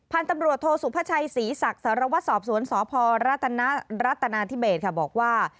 พันธุ์ตำรวจโทษสุภาชัยศรีศักดิ์สารวัตรสอบสวนสพรัฐนาธิเบสค่ะบอกว่า